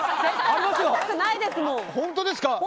本当ですか。